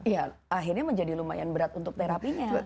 ya akhirnya menjadi lumayan berat untuk terapinya